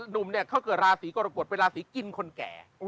หนุ่มเนี่ยเขาเกิดราศีกรกฎเป็นราศีกินคนแก่